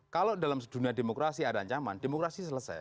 kalau dalam dunia demokrasi ada ancaman demokrasi selesai